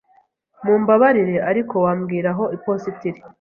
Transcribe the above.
Mumbabarire, ariko wambwira aho iposita iri?